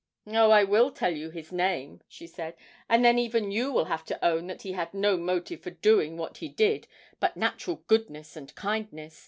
'Oh, I will tell you his name,' she said, 'and then even you will have to own that he had no motive for doing what he did but natural goodness and kindness.